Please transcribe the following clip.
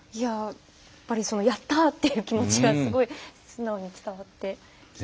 やっぱりやった！という気持ちがすごい素直に伝わってきて。